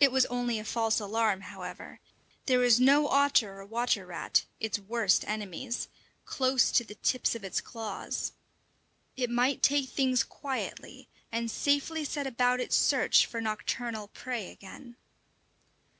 It was only a false alarm, however; there was no otter or water rat its worst enemies close to the tips of it claws. It might take things quietly, and safely set about its search for nocturnal prey again.